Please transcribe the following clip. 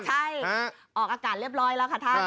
ใช่ออกอากาศเรียบร้อยแล้วค่ะท่าน